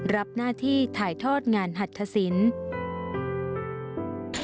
รับหน้าที่ถ่ายทอดงานหัตถสิน